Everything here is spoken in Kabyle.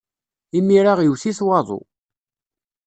Imir-a iwet-it waḍu.